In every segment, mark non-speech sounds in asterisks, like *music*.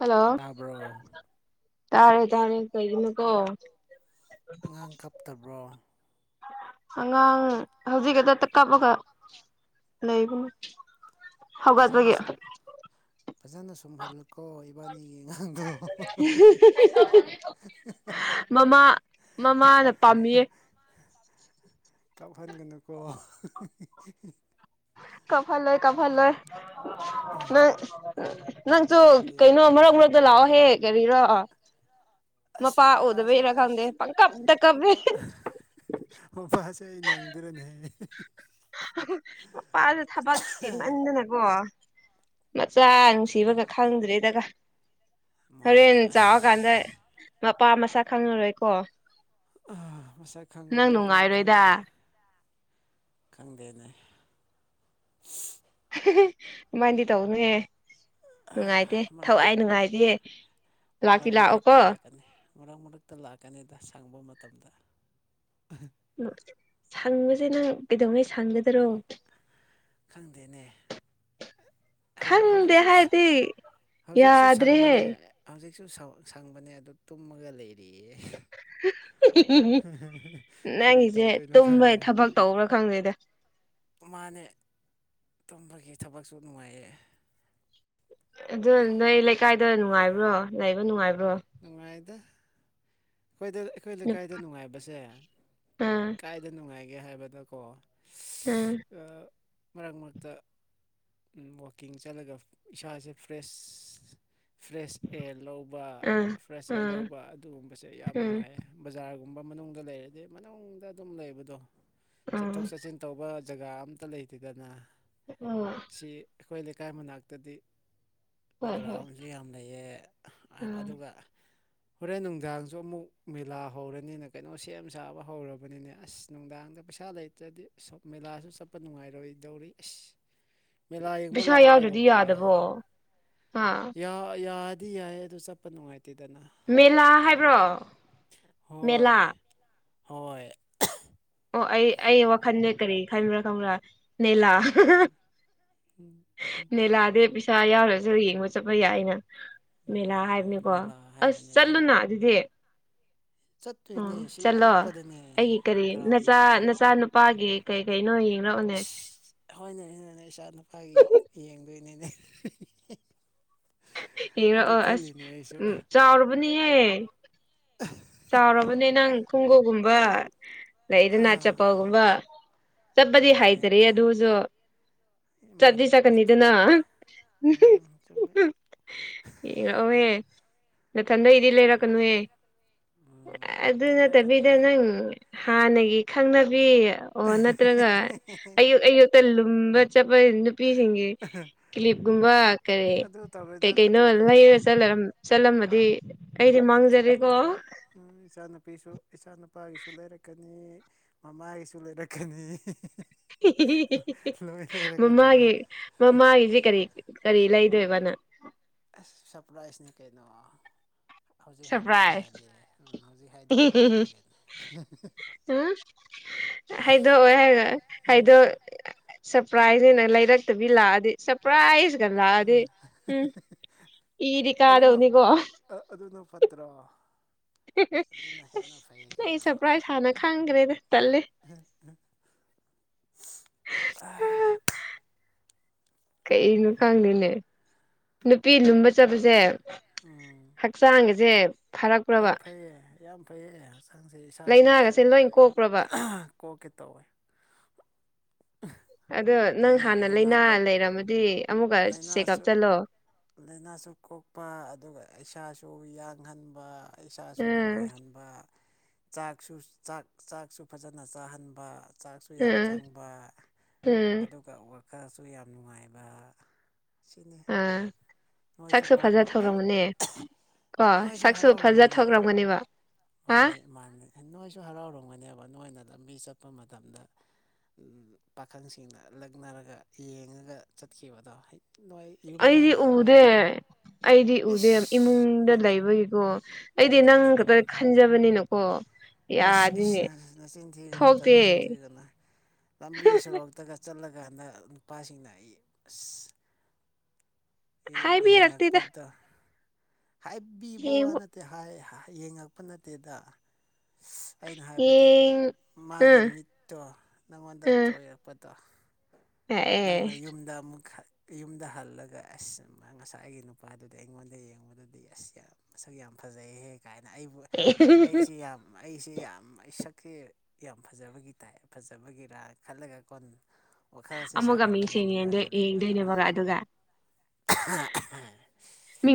hello ꯇꯥꯕ꯭ꯔꯣ ꯇꯥꯔꯦ ꯇꯥꯔꯦ ꯀꯩꯅ ꯀꯣ ꯑꯉꯥꯡ ꯀꯞꯇꯕ꯭ꯔꯣ ꯑꯉꯥꯡ ꯍꯧꯖꯤꯛꯗ ꯀꯥꯄꯒ ꯂꯩꯕ ꯐꯖꯅ ꯍꯧꯒꯗꯕꯒꯤ ꯁꯨꯝ ꯐꯖꯅ ꯁꯨꯝꯍꯜꯂꯨꯀꯣ ꯏꯕꯥꯅꯤꯒꯤ ꯑꯉꯥꯡꯗꯣ ꯃꯃꯥ ꯃꯃꯥꯅ ꯄꯥꯝꯃꯤꯌꯦ ꯀꯥꯞꯍꯟꯒꯅꯨꯀꯣ ꯀꯚ ꯂꯣꯏ ꯀꯥꯚꯥ ꯂꯣꯏ *inaudible* ꯅꯪ ꯅꯪꯁꯨ ꯀꯥꯞꯍꯟꯕ ꯀꯩꯅꯣ ꯌꯥꯗꯦ ꯃꯔꯛ ꯃꯔꯛꯇ ꯂꯥꯛꯑꯣꯍꯦ ꯀꯔꯤꯔꯣ ꯃ ꯑꯁ ꯄꯥ ꯃꯄꯥꯁꯦ ꯑꯣꯗꯕꯔ ꯈꯥꯗ ꯑꯩꯁ ꯀꯕꯗ ꯀꯚꯦ ꯑꯣ ꯃꯥꯁꯦ ꯑꯩ ꯅꯪꯗꯨꯔꯅꯦꯍ ꯃꯄꯥꯗ ꯊꯕꯛ ꯆꯦꯟꯃꯟꯗꯅꯀꯣ ꯃꯆꯥ ꯊꯕꯛ ꯅꯨꯡꯁꯤꯕꯒ ꯆꯤꯟꯃꯟꯗꯅ ꯈꯪꯗ꯭ꯔꯦꯗꯒ ꯍꯣꯔꯦꯟ ꯃꯥꯅꯦ ꯆꯥꯔꯀꯥꯟꯗ ꯑꯁ ꯃꯄꯥ ꯃꯁꯛ ꯈꯪꯉꯔꯣꯏꯀꯣ ꯑ ꯉꯁꯥꯏ ꯅꯪ ꯈꯪꯉꯔꯣꯏ ꯅꯨꯡꯉꯥꯏꯔꯣꯏꯗ ꯈꯪꯗꯦ ꯈꯪꯗꯦꯅꯦ ꯃꯥꯏꯗꯤ ꯇꯧꯅꯦ ꯅꯨꯡꯉꯥꯏꯇꯦ ꯃꯔꯛ ꯊꯋꯥꯏ ꯅꯨꯡꯉꯥꯏꯇꯦ ꯃꯔꯛ ꯂꯥꯛꯇꯤ ꯃꯔꯛꯇ ꯂꯥꯛꯑꯣꯀꯣ ꯂꯥꯛꯀꯅꯤ ꯃꯔꯛ ꯃꯔꯛꯇ ꯂꯥꯛꯀꯅꯤꯗ ꯁꯪꯕ ꯃꯇꯝꯗ ꯁꯪꯕꯁꯦ ꯅꯪ ꯀꯩꯗꯧꯉꯩ ꯁꯪꯒꯗꯔꯣ ꯈꯪꯗꯦꯅꯦ ꯈꯪꯗꯦ ꯍꯧꯖꯤꯛꯁꯨ ꯍꯥꯏꯔꯗꯤ ꯍꯧꯖꯤꯛꯁꯨ ꯌꯥꯗ꯭ꯔꯦꯍꯦ ꯁꯪꯕꯅꯦ ꯍꯧꯖꯤꯛ ꯁꯨ ꯁꯪꯕꯅꯦ ꯑꯗꯨ ꯇꯨꯝꯃꯒ ꯂꯩꯔꯤꯌꯦ *inaudible* ꯀꯔꯤ ꯅꯪꯒꯤꯁꯦ ꯇꯧꯗꯣꯏꯅꯣ ꯇꯨꯝꯕꯩ ꯈꯪꯗꯦ ꯊꯕꯛ ꯇꯧꯕ꯭ꯔꯥ ꯈꯪꯗꯣꯏꯗ ꯃꯥꯅꯦ ꯇꯝꯕꯒꯤ ꯊꯕꯛꯁꯨ ꯅꯨꯡꯉꯥꯏꯌꯦ ꯑꯗꯨ ꯅꯣꯏ ꯂꯩꯀꯥꯏꯗ ꯅꯨꯡꯉꯥꯏꯕ꯭ꯔꯣ ꯂꯩꯕ ꯅꯨꯡꯉꯥꯏꯕ꯭ꯔꯣ ꯅꯨꯡꯉꯥꯏꯗ ꯑꯩꯈꯣꯏꯗ ꯑꯩꯈꯣꯏ ꯂꯩꯀꯥꯏꯗ ꯅꯨꯡꯉꯥꯏꯕꯁꯦ ꯑꯥ ꯀꯥꯏꯗ ꯅꯨꯡꯉꯥꯏꯒꯦ ꯍꯥꯏꯕꯗꯀꯣ ꯑꯥ ꯃꯔꯛ ꯃꯨꯛꯇ ꯋꯥꯛꯀꯤꯡ ꯆꯠꯂꯒ ꯏꯁꯥꯁꯦ ꯐ꯭ꯔꯦꯁ ꯐ꯭ꯔꯦꯁ ꯑꯦꯌꯥꯔ ꯂꯧꯕ ꯑꯥ ꯐ꯭ꯔꯦꯁ ꯑꯦꯌꯥꯔ ꯑꯥ ꯂꯧꯕ ꯑꯗꯨꯒꯨꯝꯕꯁꯦ ꯌꯥꯝ ꯎꯝ ꯅꯨꯡꯉꯥꯏꯌꯦ ꯕꯖꯥꯔꯒꯨꯝꯕ ꯂꯩ ꯆꯠꯊꯣꯛ ꯎꯝ ꯆꯠꯁꯤꯟ ꯇꯧꯕ ꯖꯒꯥ ꯑꯝꯇ ꯂꯩꯇꯦꯗꯅ ꯑꯣ ꯁꯤ ꯑꯩꯈꯣꯏ ꯂꯩꯀꯥꯏ ꯃꯅꯥꯛꯇꯗꯤ ꯍꯣꯏ ꯍꯣꯏ ꯒ꯭ꯔꯥꯎꯟꯁꯨ ꯌꯥꯝ ꯂꯩꯌꯦ ꯎꯝ ꯑꯗꯨꯒ ꯍꯣꯔꯦꯟ ꯅꯨꯡꯗꯥꯡꯁꯨ ꯑꯃꯨꯛ ꯃꯦꯂꯥ ꯍꯧꯔꯅꯤꯅ ꯀꯩꯅꯣ ꯁꯦꯝ ꯁꯥꯕ ꯍꯧꯔꯕꯅꯤꯅꯦ ꯑꯁ ꯅꯨꯡꯗꯥꯡꯗ ꯄꯩꯁꯥ ꯂꯩꯇ꯭ꯔꯗꯤ ꯃꯦꯂꯥꯁꯨ ꯆꯠꯄ ꯅꯨꯡꯉꯥꯏꯔꯣꯏꯗꯧꯔꯤ ꯑꯁ ꯃꯦꯂꯥ ꯌꯦꯡꯕ ꯄꯩꯁꯥ ꯂꯥꯛꯑꯣ ꯌꯥꯎꯗ꯭ꯔꯗꯤ ꯀꯩꯗꯧꯕꯒꯦ ꯌꯥꯗꯕꯣ ꯍꯥ ꯑꯗꯨꯗꯤ ꯌꯥꯏ ꯑꯗꯨ ꯆꯞꯄ ꯅꯨꯡꯉꯥꯏꯤꯗꯅꯣ ꯃꯦꯂꯥ ꯍꯥꯏꯕ꯭ꯔꯣ ꯃꯦꯂꯥ ꯍꯣꯏ ꯍꯣꯏ ꯑꯣ ꯑꯩ ꯑꯩ ꯋꯥꯈꯜꯗ ꯀꯔꯤ ꯈꯟꯕ꯭ꯔꯥ ꯈꯪꯕ꯭ꯔꯥ ꯅꯅꯤꯂꯥ ꯅꯅꯤꯂꯥꯗ ꯄ ꯆꯆꯥ ꯌꯥꯎꯔꯁꯨ ꯌꯦꯡꯕ ꯆꯠꯄ ꯌꯥꯏꯅ ꯃꯦꯂꯥ ꯎꯝ, ꯍꯥꯏꯕꯅꯤꯀꯣ ꯃꯦꯂꯥ ꯑꯁ ꯍꯥꯏꯕꯅꯤꯗ ꯆꯠꯂꯨꯅ ꯑꯗꯨꯗꯤ ꯆꯠꯇꯣꯏꯅꯦ ꯑꯣ ꯁꯤ ꯆꯠꯂꯣ ꯑꯅꯛꯄꯗꯅꯦ ꯑꯩꯒꯤ ꯀꯔꯤ ꯒ꯭ꯔꯥꯎꯟ ꯅꯆꯥ ꯅꯠꯇꯦ ꯅꯆꯥꯅꯨꯄꯥꯒꯤ ꯀꯩ ꯀꯩꯅꯣ ꯌꯦꯡꯔꯛꯑꯣꯅꯦ ꯍꯣꯏꯅꯦ ꯍꯅꯦ ꯏꯆꯥ ꯅꯨꯄꯥꯒꯤ ꯌꯦꯡꯕ ꯅꯤꯅꯦ ꯏꯡꯔꯛꯑꯣ ꯑꯁ ꯎꯝ ꯆꯥꯎꯨꯔꯕꯅꯦꯍꯦ ꯆꯥꯎꯔꯕꯅꯦ ꯅꯪ ꯈꯣꯡꯒꯨꯞꯒꯨꯝꯕ ꯂꯩꯗꯅꯥꯠ ꯑꯥ ꯆꯄꯒꯨꯝꯕ ꯆꯞꯄꯗꯤ ꯃꯥꯅꯦ ꯍꯥꯏꯥꯏꯇꯔꯤ ꯑꯗꯣꯁꯨ ꯆꯥꯕꯤ ꯃꯥꯅꯦ ꯁꯀꯅꯤꯗꯅ ꯆꯨꯝꯃꯦ ꯎꯝ ꯆꯨꯝꯃꯦ ꯏꯔꯛꯑꯣꯍꯦ ꯅꯊꯟꯗꯩꯗꯤ ꯂꯩꯔꯛꯀꯅꯨꯍꯦ ꯎꯝ ꯑꯗꯨ ꯅꯠꯇꯕꯤꯗ ꯂꯩꯔꯛꯀꯅꯤꯗ ꯅꯪ ꯍꯥꯟꯅꯒꯤ ꯈꯪꯅꯕꯤ ꯑꯣ ꯅꯠꯇ꯭ꯔꯒ ꯑꯌꯨꯛ ꯑꯌꯨꯛꯇ ꯂꯨꯝꯕ ꯆꯠꯄ ꯅꯨꯄꯤꯁꯤꯡꯒꯤ ꯀꯤꯂꯤꯞꯀꯨꯝꯕ ꯀꯔꯤ ꯑꯗꯨ ꯇꯧꯔꯣꯏꯗ ꯀꯩ ꯑꯗꯨ ꯀꯩꯅꯣ ꯇꯧꯔꯣꯏꯗ ꯂꯩꯔꯂ ꯆꯠꯂꯝꯃꯗꯤ ꯀꯩꯗꯤ ꯅꯠꯇꯦ ꯃꯥꯡꯖꯔꯦꯀꯣ ꯅꯠꯇꯦ ꯏꯆꯥꯅꯨꯄꯤꯁꯨ ꯏꯆꯥꯅꯨꯄꯥꯒꯤꯁꯨ ꯂꯩꯔꯛꯀꯅꯤ ꯃꯃꯥꯒꯤꯁꯨ ꯂꯩꯔꯛꯀꯅꯤ ꯂꯣꯏ ꯂꯩꯔꯛꯀꯅꯤꯌꯦ ꯃꯃꯥꯒꯤ ꯃꯃꯥꯒꯤꯁꯤꯦ ꯀꯔꯤ ꯀꯔꯤ ꯏꯂ ꯏꯗꯣꯏꯦ ꯋꯥꯅꯥ ꯁꯄ꯭ꯔꯥꯏꯖꯅꯤ ꯀꯩꯩꯅ ꯍꯧꯖꯤꯛ ꯍꯥꯏꯗꯣꯛꯄ ꯁꯔꯄ꯭ꯔꯥꯏꯖ ꯌꯥꯗꯦ ꯎꯝ ꯍꯧꯖꯤꯛ ꯍꯥꯏꯗꯣꯛꯄ ꯌꯥꯗꯦ ꯀꯩꯅꯣ ꯎꯝ ꯍꯥꯏꯗꯣ ꯑꯣꯏ ꯍꯥꯏ ꯍꯥꯏꯗꯣ ꯁꯔꯄ꯭ꯔꯥꯏꯖꯅ ꯂꯩꯔꯛꯇꯕꯤ ꯂꯥꯛꯑꯗꯤ ꯄ꯭ꯔꯥꯏꯁ ꯀꯗꯗꯤ ꯎꯝ ꯏꯗꯤ ꯀꯥꯗꯧꯅꯤꯀꯣ ꯀꯇ꯭ꯔꯥ ꯑꯁ ꯅ ꯁꯔꯄ꯭ꯔꯥꯏꯖ ꯍꯥꯟꯅ ꯈꯪꯈ꯭ꯔꯦꯗ ꯆꯠꯂꯦ ꯑ ꯀꯩꯅꯣ ꯈꯪꯗꯣꯏꯅꯦ ꯅꯨꯄꯤ ꯂꯨꯝꯕ ꯆꯠꯄꯁꯦ ꯎꯝ ꯍꯛꯆꯥꯡꯒꯁꯦ ꯐꯔꯛꯄ꯭ꯔꯕ ꯌꯥꯝ ꯐꯩꯌꯦ ꯌꯥꯝ ꯐꯩꯌꯦ ꯍꯛꯥꯡꯁꯦ ꯏꯁꯥꯁꯤ ꯌꯥꯝ ꯂꯥꯏꯅꯥꯒꯁꯦ ꯂꯣꯏ ꯀꯣꯛꯄ꯭ꯔꯕ ꯀꯣꯛꯀꯦ ꯇꯧꯋꯦ ꯑꯗꯣ ꯅꯪ ꯂꯥꯏꯅꯥ ꯍꯥꯟꯅ ꯂꯥꯏꯅꯥ ꯀꯣꯛ ꯂꯩꯔꯝꯃꯗꯤ ꯑꯃꯨꯛꯀ ꯆꯦꯛꯑꯞ ꯂꯥꯏꯅꯥꯁꯨ ꯆꯠꯂꯣ ꯂꯥꯏꯅꯥꯁꯨ ꯀꯣꯛꯄ ꯑꯗꯨꯒ ꯏꯁꯥꯁꯨ ꯁꯨ ꯌꯥꯡꯍꯟꯕ ꯏꯁꯥꯁꯨ ꯎꯝ ꯅꯨꯡꯉꯥꯏꯍꯟꯕ ꯆꯥꯛꯁꯨ ꯆꯥꯛ ꯆꯥꯛꯁꯨ ꯐꯖꯅ ꯆꯥꯍꯟꯕ ꯆꯥꯛꯁꯨ ꯌꯥꯝ ꯎꯝ ꯆꯪꯕ ꯎꯝ ꯑꯗꯨꯒ ꯋꯥꯈꯜꯁꯨ ꯌꯥꯝ ꯅꯨꯡꯉꯥꯏꯕ ꯁꯤꯅꯤ ꯑꯥ ꯅꯣꯏꯁꯨ ꯁꯛꯁꯨ ꯃꯔꯛ ꯐꯖ ꯃꯔꯛ ꯅꯪ ꯊꯧꯔꯝꯒꯅꯦ ꯀꯣ ꯁꯛꯁꯨ ꯐꯖ ꯊꯧꯔꯝꯒꯅꯦꯕ ꯍꯥ ꯃꯥꯅ ꯅꯣꯏꯁꯨ ꯍꯔꯥꯎꯔꯝꯒꯅꯦꯕ ꯅꯣꯏꯅ ꯂꯝꯕꯤ ꯆꯠꯄ ꯃꯇꯝꯗ ꯄꯥꯈꯪꯁꯤꯡꯅ ꯂꯛꯅꯔꯒ ꯌꯦꯡꯉꯒ ꯆꯠꯈꯤꯕꯗꯣ ꯅꯣꯏ ꯌꯨꯝꯗ ꯍꯜꯂꯛꯑꯒ ꯑꯦ ꯑꯩꯗꯤ ꯎꯗꯦ ꯏꯁ ꯏꯃꯨꯡꯗ ꯂꯩꯕꯒꯤꯀꯣ ꯑꯩꯗꯤ ꯅꯪ ꯈꯛꯇ ꯈꯟꯖꯕꯅꯤꯅꯀꯣ ꯌꯥꯗꯤꯅꯦ ꯅ ꯆꯤꯟꯊꯒꯅ ꯊꯣꯛꯇꯦ ꯇꯅ ꯆꯤꯟꯊꯒ ꯂꯝꯕꯤ ꯁꯣꯔꯣꯛꯇꯒ ꯆꯠꯂꯒ ꯍꯟꯗꯛ ꯅꯨꯄꯥꯁꯤꯡꯅ ꯑꯩ ꯑꯁ ꯏꯉꯄꯣ ꯍꯥꯏꯕꯤꯔꯛꯇꯦꯗ ꯍꯥꯏꯕꯤꯕ ꯋꯥ ꯌꯦꯡꯕ ꯅꯠꯇꯦ ꯍꯥꯏ ꯌꯦꯡꯉꯛꯄ ꯅꯠꯇꯦꯗ ꯑꯩꯅ ꯍꯥꯏꯕꯗꯤ ꯌꯦꯡ ꯃꯥꯒꯤ ꯑꯥ ꯃꯤꯠꯇꯣ ꯅꯪꯉꯣꯟꯗ ꯑꯥ ꯆꯣꯏꯔꯛꯄꯗꯣ ꯑꯦ ꯅꯪꯅ ꯌꯨꯝꯗ ꯑꯃꯨꯛ ꯌꯨꯝꯗ ꯍꯜꯂꯒ ꯑꯁ ꯉꯁꯥꯏ ꯑꯩꯒꯤ ꯅꯨꯄꯥꯗꯨꯗ ꯑꯩꯉꯣꯟꯗ ꯌꯦꯡꯕꯗꯗꯤ ꯑꯁ ꯌꯥꯝ ꯃꯁꯛ ꯌꯥꯝ ꯐꯖꯩ ꯍꯦꯛ ꯀꯥꯏꯅ ꯑꯩꯕꯨ ꯑꯩꯁꯤ ꯌꯥꯝ ꯑꯩꯁꯤ ꯁꯤ ꯌꯥꯝ ꯑꯩ ꯁꯛꯁ ꯌꯥꯝ ꯐꯖꯕꯒꯤ ꯇꯥꯏ ꯐꯖꯕꯒꯤꯔ ꯈꯜꯂꯒ ꯀꯣꯟ ꯋꯥꯈꯜꯁꯦ ꯑꯃꯨꯛꯀ ꯃꯤꯁꯦ ꯁꯥꯒꯠꯂꯒ ꯌꯦꯗ ꯅꯨꯡꯉꯥꯏꯅ ꯂꯩꯕꯗꯣ ꯌꯦꯡꯗꯣꯏꯅꯦꯕꯒ ꯑꯗꯨꯒ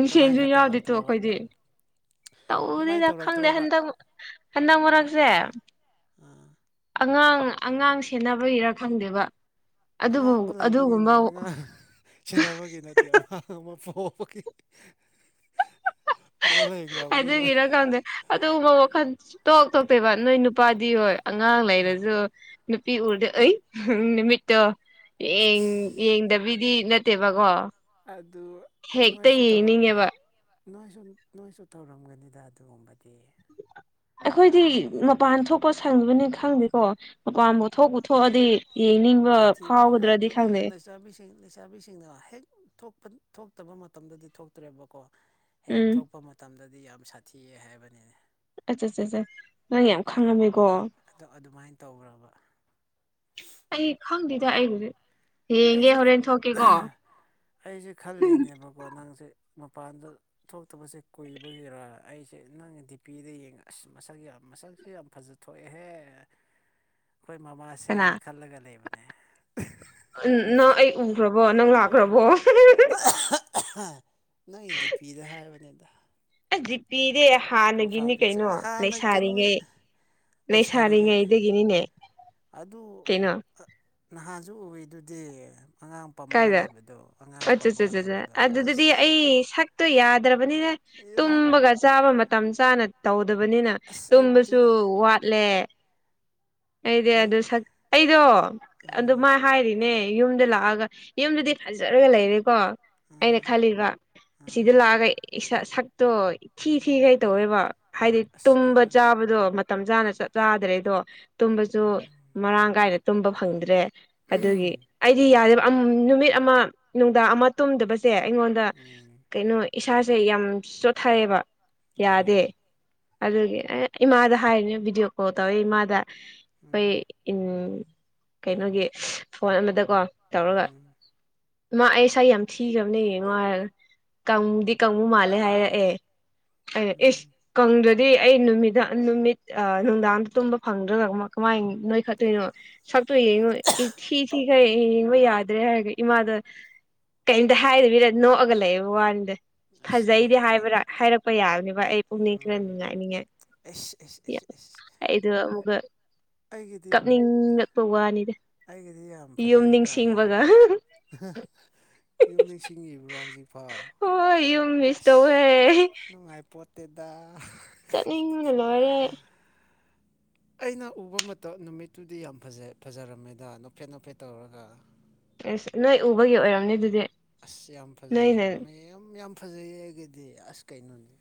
ꯑꯗꯨꯃꯥꯏꯅꯒ ꯇꯧꯔꯛꯇ꯭ꯔꯣꯕ ꯑꯗꯨꯃꯥꯏꯅ ꯇꯧꯗꯤꯗ ꯈꯪꯗꯦ ꯇꯧꯔꯛꯇ꯭ꯔꯣꯕ ꯍꯟꯗꯛ ꯍꯟꯗꯛ ꯃꯔꯛꯁꯦ ꯑꯥ ꯑꯉꯥꯡ ꯑꯉꯥꯡ ꯁꯦꯟꯅꯕꯒꯤꯔ ꯈꯪꯗꯦꯕ ꯑꯗꯨꯕꯨ ꯑꯉꯥꯡꯕ ꯂꯩꯕꯒꯤꯅꯤ ꯑꯗꯨꯒꯨꯝꯕ ꯑꯉꯥꯡ ꯁꯦꯟꯅꯕꯒꯤ ꯅꯠꯇꯦ ꯑꯃꯥꯡꯕ ꯍ ꯑꯗꯒꯤ ꯏꯔ ꯀꯗꯦ ꯑꯗꯨꯒꯨꯝꯕ ꯋꯥꯈꯟ ꯇꯣꯛ ꯇꯣꯛꯇꯣꯏꯕ ꯅꯣꯏ ꯅꯨꯄꯥꯗꯤ ꯍꯣꯏ ꯑꯉꯥꯡ ꯂꯩꯔꯁꯨ ꯅꯨꯄꯤ ꯎꯔꯗ ꯑꯩ ꯅꯨꯃꯤꯠꯇꯣ ꯌꯦꯡꯗꯕꯤ ꯗꯤ ꯅꯠꯇꯦꯕꯀꯣ ꯑꯗꯨ ꯅꯣꯏ ꯍꯦꯛꯇ ꯁ ꯇꯔ ꯌꯦꯡꯅꯤꯡꯉꯦꯕ ꯅꯣꯏꯁꯨ ꯅꯣꯏꯁꯨ ꯇꯧꯔꯝꯒꯅꯤꯗ ꯑꯗꯨꯒꯨꯝꯕꯗꯤ ꯑꯩꯈꯣꯏꯗꯤ ꯃꯄꯥꯟ ꯊꯣꯛꯄ ꯁꯪꯕꯅꯤ ꯈꯪꯗꯦꯀꯣ ꯃꯄꯥꯟꯕꯨ ꯊꯣꯛꯄꯊꯑ ꯁꯥꯊꯤꯕꯅꯦ ꯑꯗꯨꯅꯦ ꯈꯪꯗꯦ ꯂꯩꯁꯥꯕꯤꯁꯤꯡ ꯂꯩꯁꯥꯕꯤꯁꯤꯡꯅ ꯍꯦꯛ ꯊꯣꯛꯄ ꯊꯣꯛꯇꯕ ꯃꯇꯝꯗꯗꯤ ꯊꯣꯛꯇ꯭ꯔꯦꯕꯀꯣ ꯍꯦꯛ ꯎꯝ ꯊꯣꯛꯄ ꯃꯇꯝꯗꯗꯤ ꯗꯤ ꯌꯥꯝ ꯁꯥꯊꯤꯑ ꯍꯥꯏꯕꯅꯤꯅꯦ ꯆꯠꯁꯦ ꯅꯪ ꯌꯥꯝ ꯈꯪꯉꯝꯃꯦ ꯑꯗꯣ ꯑꯗꯨꯃꯥꯏꯅ ꯇꯧꯈꯔꯕ ꯆꯏꯒꯗꯦ ꯑꯩꯁꯦ ꯑꯩꯁꯦ ꯈꯜꯂꯤꯅꯦꯕꯀꯣ ꯅꯪꯁꯦ ꯃꯄꯥꯟꯗ ꯊꯣꯛꯇꯕꯁꯦ ꯀꯨꯏꯕꯒꯤꯔ ꯑꯩꯁꯦ ꯅꯪ ꯗꯤ ꯄꯤꯗ ꯌꯦꯡꯉ ꯑꯁ ꯃꯁꯛ ꯌꯥꯝ ꯃꯁꯁꯦ ꯌꯥꯝ ꯐꯖ ꯊꯣꯛꯑꯦꯍꯦ ꯑꯩꯈꯣꯏ ꯀꯅꯥ ꯃꯃꯥꯁꯦꯅ ꯈꯜꯂꯒ ꯂꯩꯕꯅꯦ ꯎꯝ ꯅꯪ ꯑꯩ ꯎꯈ꯭ꯔꯕꯣ ꯅꯪ ꯂꯥꯛꯈ꯭ꯔꯕꯣ ꯅꯪꯒꯤꯗꯤ ꯄꯤꯗ ꯍꯥꯏꯕꯅꯤꯗ ꯑꯖꯤ ꯄꯤꯔꯦ ꯄ꯭ꯔꯣꯐꯥꯏꯜ ꯍꯥꯟꯅꯒꯤꯅꯤ ꯀꯩꯅꯣ ꯄꯤꯛꯆꯔ ꯍꯥꯟꯅ ꯀꯩꯅꯣ ꯂꯩꯁꯥꯔꯤꯉꯩ ꯂꯩ ꯂꯩꯁꯥꯔꯤꯉꯩ ꯁꯥꯔꯤꯉꯩꯗꯒꯤꯅꯤꯅꯦ ꯀꯩꯅꯣ ꯅꯍꯥꯁꯨ ꯎꯕꯗꯨꯗꯤ ꯀꯥꯏꯗ ꯑꯣ ꯂꯩꯕꯗꯣ ꯑꯠꯠ ꯑꯗꯨꯗꯤ ꯑꯁ ꯑꯩ ꯁꯛꯇꯣ ꯌꯥꯗ꯭ꯔꯕꯅꯤꯅꯦ ꯇꯨꯝꯕꯒ ꯆꯥꯕ ꯃꯇꯝ ꯆꯥꯅ ꯇꯧꯗꯕꯅꯤꯅ ꯑꯁ ꯑꯩꯕꯨꯗꯤ ꯇꯨꯝꯕꯁꯨ ꯋꯥꯠꯂꯦ ꯑꯩꯗꯤ ꯑꯗꯨ ꯑꯩ ꯑꯩꯗꯣ ꯑꯥ ꯑꯗꯨꯃꯥꯏ ꯍꯥꯏꯔꯤꯅꯦ ꯌꯨꯝꯗ ꯂꯥꯛꯑꯒ ꯌꯨꯝꯗꯨꯗꯤ ꯐꯖꯔꯒ ꯂꯩꯔꯦꯀꯣ ꯑꯩꯅ ꯑꯥ ꯈꯜꯂꯤꯕ ꯑꯥ ꯑꯁꯤꯗ ꯂꯥꯛꯑꯒ ꯏꯁꯥ ꯁꯛ ꯇꯣ ꯊꯤ ꯊꯤ ꯎꯝ ꯀꯩ ꯇꯧꯋꯦꯕ ꯍꯥꯏꯗꯤ ꯑꯁ ꯇꯨꯝꯕ ꯑꯩꯉꯣꯟꯗ ꯆꯥꯕꯗꯣ ꯃꯇꯝ ꯆꯥꯅ ꯆ ꯆꯥꯗ꯭ꯔꯦ ꯑꯗꯣ ꯇꯨꯝꯕꯁꯨ ꯎꯝ ꯃꯔꯥꯡ ꯀꯥꯏꯅ ꯇꯨꯝꯕ ꯐꯪꯗ꯭ꯔꯦ ꯑꯗꯨꯒꯤ ꯑꯩꯗꯤ ꯌꯥꯗꯦꯕ ꯅꯨꯃꯤꯠ ꯑꯃ ꯅꯨꯡꯗꯥꯡ ꯑꯃ ꯇꯨꯝꯗꯕ ꯁꯦ ꯑꯩꯉꯣꯟꯗ ꯎꯝ ꯀꯩꯅꯣ ꯏꯁꯥꯁꯦ ꯌꯥꯝ ꯆꯣꯠꯊꯩꯌꯦꯕ ꯌꯥꯗꯦ ꯑꯣ ꯑꯗꯨꯒꯤ ꯑꯦ ꯏꯃꯥꯗ ꯍꯥꯏꯔꯤꯅꯦ ꯚꯤꯗꯤꯑꯣ ꯀꯣꯜ ꯇꯧꯋꯦ ꯏꯃꯥꯗ ꯎꯝ ꯑꯩꯈꯣꯏ ꯀꯩꯅꯣꯒꯤ ꯐꯣꯟ ꯑꯃꯗꯀꯣ ꯇꯧꯔꯒ ꯎꯝ ꯃꯥ ꯑꯩꯁꯥ ꯌꯥꯝ ꯊꯤꯈꯕꯅꯦꯉꯅꯨꯡꯉꯥꯏ ꯀꯥꯡꯗꯤ ꯀꯥꯡꯕꯨ ꯃꯥꯜꯂꯦ ꯍꯥꯏꯔꯛꯑꯦ ꯑꯩꯅ ꯎꯝ ꯏꯁ ꯗꯤ ꯑꯩ ꯅꯨꯃꯤ ꯅꯨꯃꯤꯠ ꯅꯨꯡꯗꯥꯡꯗ ꯇꯨꯝꯕ ꯐꯪꯗ꯭ꯔꯅ ꯀꯃꯥꯏ ꯅꯣꯏꯈꯠꯇꯣꯏꯅꯣ ꯏ ꯊꯤ ꯊ ꯀ ꯌꯥꯗ꯭ꯔꯦ ꯍꯥꯏꯔꯒ ꯏꯃꯥꯗ ꯀꯩꯝꯇ ꯍꯥꯏꯗꯕꯤꯅ ꯅꯣꯛꯑꯒ ꯂꯩꯑꯦꯕ ꯋꯥꯅꯤꯗ ꯑꯁ ꯐꯖꯩꯗꯤ ꯅꯨꯡꯉꯥꯏꯇꯦ ꯍꯥꯏꯕ ꯍꯥꯏꯔꯛꯄ ꯌꯥꯒꯅꯦꯕ ꯑꯩ ꯄꯨꯛꯅꯤꯡ ꯈꯔ ꯎꯝ ꯅꯨꯡꯉꯥꯏꯅꯤꯡꯉꯥꯏ ꯑꯦꯁ ꯑꯦꯁꯤ ꯑꯦꯁ ꯑꯦꯁ ꯑꯩꯗꯣ ꯑꯃꯨꯛꯀ ꯑꯩꯒꯤꯗꯤ ꯀꯞꯅꯤꯡꯉꯛꯄ ꯋꯥꯅꯤꯗ ꯑꯩꯒꯤꯗꯤ ꯌꯥꯝ ꯌꯨꯝ ꯐꯖꯩꯌꯦꯗ ꯅꯤꯡꯁꯤꯡ ꯒ ꯌꯨꯝ ꯅꯤꯡꯁꯤꯡꯉꯤꯕ꯭ꯔꯣ ꯍꯧꯖꯤꯛꯐꯥꯎ ꯍ ꯃꯤꯁ ꯇꯧ ꯍꯦ ꯐꯠꯇꯦꯗ ꯆꯠꯅꯤꯡꯉꯨꯅꯦ ꯂꯣꯏꯔꯦ ꯑꯩꯅ ꯎꯕ ꯃꯇꯝ ꯅꯨꯃꯤꯠꯇꯨꯗꯤ ꯌꯥꯝ ꯐꯖ ꯐꯖꯔꯝꯃꯤꯗ ꯅꯣꯐꯦꯠ ꯅꯣꯞꯐꯦꯠ ꯇꯧꯔꯒ ꯑꯦꯁ ꯅꯣꯏ ꯎꯕꯒꯤ ꯑꯣꯏꯔꯝꯅꯦ ꯑꯗꯨꯗꯤ ꯑꯁ ꯌꯥꯝ ꯅꯣꯏꯅ ꯐꯖꯩꯔꯥ ꯃꯌꯥꯝ ꯌꯥꯝ ꯐꯖꯩꯌꯦ ꯑꯩꯒꯗꯤ ꯑꯁ ꯀꯩꯅꯣꯅꯦ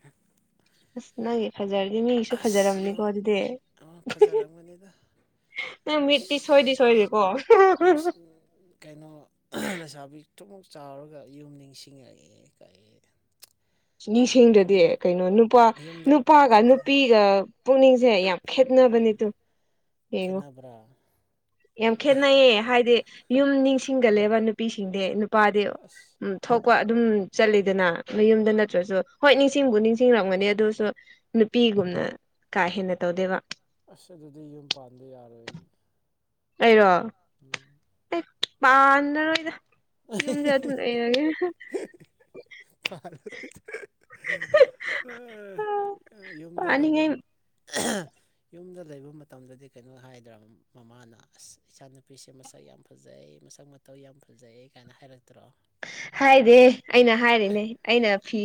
ꯑꯁ ꯅꯪꯒꯤ ꯐꯖꯔꯗꯤꯦ ꯃꯤꯁꯨ ꯑꯁ ꯌꯣ ꯐꯖꯔꯝꯅꯤꯀꯣ ꯑꯗꯨꯗꯤ ꯑꯃ ꯐꯖꯔꯝꯒꯅꯤꯗ ꯎ ꯃꯤꯇ ꯁꯣꯏꯗꯤ ꯑꯁ ꯁꯣꯏꯗꯤꯀꯣ ꯅꯨꯡꯁꯤꯠ ꯑꯗꯨꯨꯝꯃꯛ ꯆꯥꯎꯔꯒ ꯌꯨꯝ ꯅꯤꯡꯁꯤꯡꯉꯛꯑꯦ ꯀꯛꯑꯦ ꯅꯤꯡꯁꯤꯡꯗ꯭ꯔꯗꯤ ꯌꯨꯝ ꯀꯩꯅꯣ ꯅꯨꯄꯥ ꯌꯨꯝꯗ ꯅꯨꯄꯥꯒ ꯅꯠꯇꯦ ꯅꯨꯄꯤꯒ ꯄꯨꯛꯅꯤꯡꯁꯦ ꯌꯥꯝ ꯈꯦꯠꯅ ꯅꯤꯠꯇꯨ ꯍꯦꯒꯣ ꯈꯦꯠꯅꯕ꯭ꯔꯥ ꯌꯥꯝ ꯈꯦꯠꯅꯩꯌꯦ ꯍꯥꯏꯗꯤ ꯌꯨꯝ ꯅꯤꯡꯁꯤꯡꯒꯜꯂꯦꯕ ꯅꯨꯄꯤꯁꯤꯡꯗ ꯄꯥꯗ ꯑꯁ ꯎ ꯊꯣꯛꯄ ꯑꯗꯨꯝ ꯆꯠꯂꯤꯗꯅ ꯃꯌꯨꯝꯗ ꯅꯠꯇ꯭ꯔꯁꯨ ꯍꯣꯏ ꯅꯤꯡꯁꯤꯡꯕꯨ ꯅꯤꯡꯁꯤꯡꯔꯝꯒꯅꯤ ꯑꯗꯨꯁꯨ ꯅꯨꯄꯤꯒꯨꯝꯕ ꯌꯥꯝꯅ ꯀꯥ ꯍꯦꯟꯅ ꯇꯧꯗꯦꯕ ꯑꯁ ꯑꯗꯨꯗꯤ ꯌꯨꯝ ꯄꯥꯟꯕꯗ ꯌꯥꯔꯣꯏꯅꯤ ꯑꯩꯔꯣ ꯎꯝ ꯃꯥꯅꯔꯣꯣꯏꯗ ꯐꯥꯔ ꯌꯨꯝꯗ ꯂꯩꯕ ꯄꯥꯅꯤꯡꯉꯥꯏ ꯌꯨꯝꯗ ꯂꯩꯕ ꯃꯇꯝꯗꯗꯤ ꯀꯩꯅꯣ ꯍꯥꯏꯗ꯭ꯔꯥ ꯃꯃꯥꯅ ꯑꯁ ꯏꯆꯥ ꯅꯨꯨꯄꯤꯁꯦ ꯃꯁꯛ ꯌꯥꯝ ꯐꯖꯩ ꯑꯩ ꯃꯁꯛ ꯃꯇꯧ ꯌꯥꯝ ꯐꯖꯩ ꯀꯥꯏꯅ ꯍꯥꯏꯔꯛꯦ ꯍꯥꯏꯗꯤ ꯑꯩꯅ ꯍꯥꯏꯔꯤꯅꯦ ꯑꯩꯅ ꯐꯤ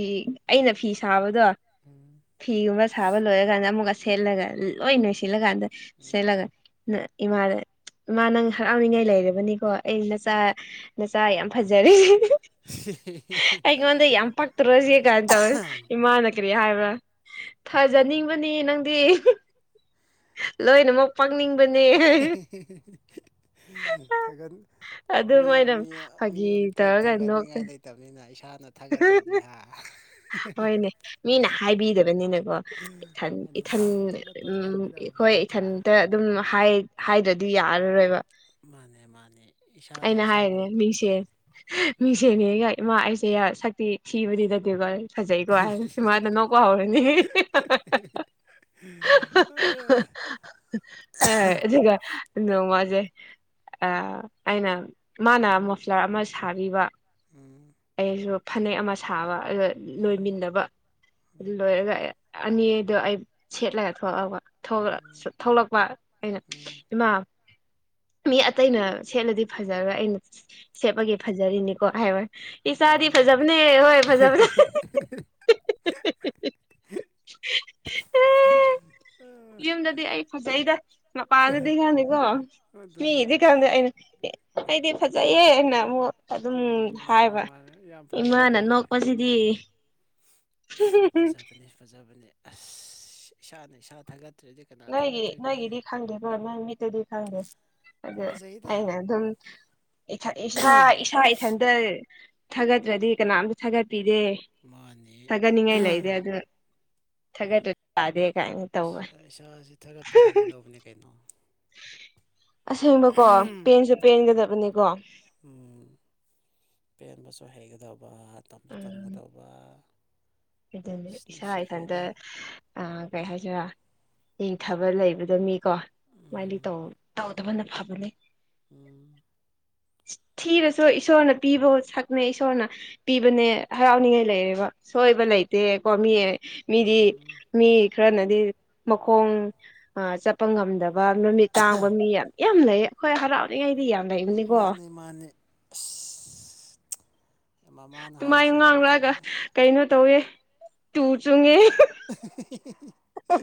ꯑꯩꯅ ꯐꯤ ꯁꯥꯕ ꯑꯗꯣ ꯎꯝ ꯐꯤꯒꯨꯝꯕ ꯁꯥꯕ ꯂꯣꯏꯔꯀꯥꯟꯗ ꯑꯃꯨꯛꯀ ꯁꯦꯠꯂꯒ ꯂꯣꯏ ꯅꯣꯏ ꯎꯝ ꯁꯤꯜꯂꯀꯥꯟꯗ ꯎꯝ ꯁꯤꯠꯂꯒ ꯏꯃꯥ ꯏꯃꯥ ꯅꯪ ꯍꯔꯥꯎꯅꯤꯡꯉꯥꯏ ꯂꯩꯔꯕꯅꯤꯀꯣ ꯑꯩ ꯅꯆꯥ ꯅꯆꯥ ꯌꯥꯝ ꯐꯖꯩ ꯑꯩꯉꯣꯟꯗ ꯌꯥꯝ ꯄꯛꯇꯨꯔꯁꯤ ꯀꯥꯏꯅ ꯇꯧꯔꯦ ꯏꯃꯥꯅ ꯍꯥꯏꯕ꯭ꯔ ꯊꯥꯖꯅꯤꯡꯕꯅꯤ ꯅꯪꯗꯤ ꯂꯣꯏꯅꯃꯛ ꯄꯪꯅꯤꯡ ꯊꯒ ꯃꯤ ꯑꯗꯨꯃꯥꯏꯅ ꯐꯥꯒꯤ ꯑꯃꯝꯇ ꯇꯧꯔꯒ ꯅꯣꯛ ꯊꯥꯒꯠꯅꯤꯡꯉꯥꯏ ꯂꯩꯇꯕꯅꯤꯅ ꯏꯁꯥꯅ ꯊꯥꯒꯠꯇ꯭ꯔꯗꯤ ꯍꯥ ꯍꯣꯏꯅꯦ ꯃꯤꯅ ꯍꯥꯏꯕꯤꯗꯕꯅꯤꯅꯀꯣ ꯏꯊꯟ ꯃꯥꯅꯦ ꯏꯁꯥꯅ ꯊꯥꯒꯠꯄ ꯎ ꯍꯩꯒꯗꯕꯅꯤ ꯑꯩꯈꯣꯏ ꯅꯠꯇ꯭ꯔꯥ ꯏꯊꯟꯇ ꯑꯗꯨꯝ ꯍꯥꯏꯗ꯭ꯔꯗꯤ ꯌꯥꯔꯔꯣꯏꯕ ꯃꯥꯅꯦ ꯃꯥꯅꯦ ꯏꯁꯥꯅ ꯑꯩꯅ ꯏꯁꯥꯕꯨ ꯍꯥꯏꯔꯦ ꯃꯤꯡꯁꯦ ꯎꯝ ꯃꯤꯡꯁꯦꯅꯦꯒ ꯏꯃꯥ ꯑꯩꯁꯦ ꯁꯛꯇꯤ ꯊꯕꯗꯤꯗꯗꯤꯦꯕꯥ ꯐꯖꯩꯀꯣ ꯍꯥꯏꯔ ꯏꯃꯗ ꯅꯣꯛꯄ ꯍꯧꯔꯅꯤ ꯎꯝ ꯍꯖꯤꯒ ꯅ ꯃꯥꯖꯦ ꯑ ꯑꯩꯅ ꯃꯥꯅ ꯃꯣꯐ꯭ꯂꯔ ꯑꯃ ꯁꯥꯕꯤꯕ ꯎꯝ ꯑꯩꯁꯨ ꯐꯅꯦꯛ ꯑꯃ ꯁꯥꯕ ꯑꯗꯨ ꯂꯣꯏꯃꯤꯟꯅꯕ ꯑꯗꯨ ꯂꯣꯏꯔꯒ ꯑꯅꯤꯗꯣ ꯑꯩ ꯁꯦꯠꯂꯒ ꯊꯣꯛꯛꯕ ꯎꯝ ꯊꯣꯛꯂꯛꯄ ꯑꯩꯅ ꯎꯝ ꯏꯃꯥ ꯃꯤ ꯑꯇꯩꯅ ꯁꯦꯠꯂꯗꯤ ꯐꯖꯔꯣꯏ ꯑꯩꯅ ꯁꯦꯠꯄꯒꯤ ꯐꯖꯔꯤꯅꯤꯀꯣ ꯍꯥꯏꯕ ꯋꯥ ꯏꯆꯥꯗꯤ ꯐꯖꯕꯅꯦ ꯍꯣꯏ ꯐꯖꯕꯅꯦ ꯎꯝ ꯌꯨꯝꯗꯗꯤ ꯑꯩ ꯐꯖꯩꯗ ꯃꯄꯥꯥꯟꯗꯗꯤ ꯈꯪꯅꯤꯀꯣ ꯑꯗꯨꯅꯤ ꯃꯤꯗꯤ ꯈꯪꯗꯦ ꯑꯩꯅ ꯑꯩꯗꯤ ꯐꯖꯩꯌꯦꯦ ꯑꯃꯨꯛ ꯑꯗꯨꯝ ꯎꯝ ꯃꯥꯅꯤ ꯍꯥꯏꯕ ꯃꯥꯅꯤ ꯌꯥꯝ ꯏꯃꯥꯅ ꯐꯖꯕꯅꯤ ꯅꯣꯛꯄꯁꯤꯗꯤ ꯐꯖꯕꯅꯤ ꯐꯖꯕꯅꯤ ꯑꯁ ꯏꯁꯥꯅ ꯏꯁꯥ ꯊꯥꯒꯠ ꯅꯪꯒꯤ ꯅꯪꯒꯤꯗꯤ ꯈꯪꯗꯦꯣ ꯅꯪ ꯃꯤꯠꯇꯗꯤ ꯈꯪꯗꯦ ꯌꯥꯝ ꯑꯗ ꯐꯖꯩꯗ ꯑꯅ ꯑꯗꯨꯝ ꯏꯁꯥ ꯏꯁꯥ ꯏꯊꯟꯇ ꯊꯥꯒꯠꯇ꯭ꯔꯗꯤ ꯀꯅꯥꯝꯇ ꯊꯥꯒꯠ ꯄꯤꯗꯦ ꯃꯥꯅꯤ ꯊꯥꯒꯠꯅꯤꯡꯉꯥꯏ ꯂꯩꯗꯦ ꯑꯗꯨ ꯊꯥꯒꯠꯇ ꯇꯥꯗꯦ ꯀꯥꯏꯅ ꯇꯧꯋ ꯆꯁꯤ ꯊꯥꯒꯠꯄ ꯍꯩꯒꯗꯧꯕꯅꯦ ꯀꯩꯅꯣ ꯑꯁꯦꯡꯕꯀꯣ ꯄꯦꯟꯁꯨ ꯄꯦꯟꯒꯗꯕꯅꯤꯀꯣ ꯁ ꯍꯩꯒꯗꯧꯕ ꯇꯞꯁꯨ ꯎꯝ ꯇꯝꯒꯗꯧꯕ ꯑꯗꯨꯅꯦ ꯑꯁ ꯏꯁꯥ ꯏꯊꯟꯇ ꯅꯨꯡꯁꯤꯈ꯭ꯔꯦꯗ ꯑ ꯀꯩ ꯍꯥꯏꯁꯤꯣꯏꯔꯥ ꯏꯪꯊꯕ ꯂꯩꯕꯗ ꯃꯤꯀꯣꯃꯥꯏꯗꯤ ꯎꯝ ꯇꯧꯗꯕꯅ ꯐꯕꯅꯦ ꯎꯝ ꯊꯤꯔꯁꯨ ꯏꯁꯣꯔꯅ ꯄꯤꯕ ꯁꯛꯅꯦ ꯏꯁꯣꯔꯅ ꯄꯤꯕꯅꯦ ꯍꯔꯥꯎꯅꯤꯡꯉꯥꯏ ꯂꯩꯔꯦꯕ ꯁꯣꯏꯕ ꯂꯩꯦ ꯀ ꯃꯤꯗꯤ ꯎꯝ ꯃꯤ ꯈꯔꯅꯗꯤ ꯃꯈꯣꯡ ꯆꯠꯄ ꯉꯝꯗꯕ ꯅꯨꯃꯤꯠ ꯇꯥꯡꯕ ꯃꯤ ꯌꯥꯝ ꯌꯥꯝ ꯂꯩꯌꯦ ꯑꯩꯈꯣꯏ ꯍꯔꯥꯎꯔꯤꯉꯩꯗꯤ ꯌꯥꯝ ꯂꯩꯕꯅꯤꯀꯣ ꯃꯥꯅꯤ ꯃꯥꯅꯤ ꯃꯃꯥꯅ ꯇꯨꯃꯥꯏ ꯍꯥꯏꯔꯤꯁꯦ ꯌꯥꯝ ꯉꯥꯡꯂꯛꯑꯒ ꯆꯨꯝꯃꯤ ꯀꯩꯅꯣ ꯇꯧꯋꯦ ꯇꯨ ꯆꯨꯡꯉꯦ *unintelligible*